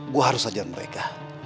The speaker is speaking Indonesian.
gue harus ajar mereka